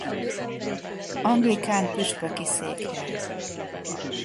Anglikán püspöki székhely.